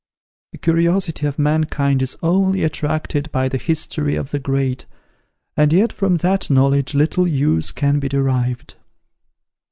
The curiosity of mankind is only attracted by the history of the great, and yet from that knowledge little use can be derived."